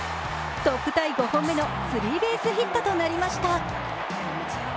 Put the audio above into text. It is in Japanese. トップタイ５本目のスリーベースヒットとなりました。